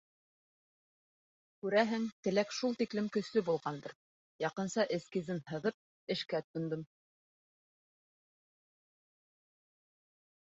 Күрәһең, теләк шул тиклем көслө булғандыр, яҡынса эскизын һыҙып, эшкә тотондом.